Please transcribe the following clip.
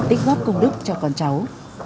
tích góp công đức cho con cháu